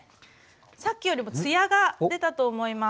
さっきよりも艶が出たと思います。